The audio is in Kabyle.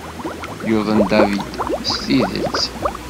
Yuḍen David, d tidet?